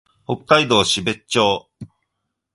北海道標津町